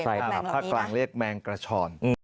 ใช่ครับภาคกลางเรียกแมงกระชอน